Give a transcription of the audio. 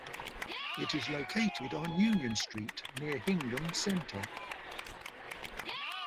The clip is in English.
It is located on Union Street near Hingham Center.